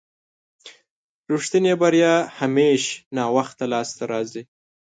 رښتينې بريا همېش ناوخته لاسته راځي.